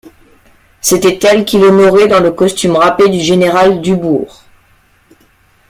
C'était elle qu'il honorait dans le costume râpé du général Dubourg.